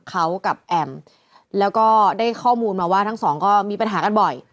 เขากับแอมแล้วก็ได้ข้อมูลมาว่าทั้งสองก็มีปัญหากันบ่อย